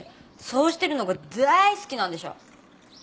そうしてるのが大好きなんでしょ？